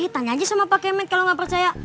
tanya aja sama pak kemet kalau gak percaya